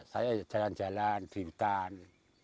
saya jalan jalan di hutan